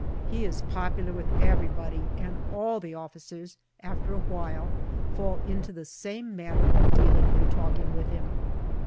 He is popular with everybody, and all officers, after a while, fall into the same manner of dealing and talking with him.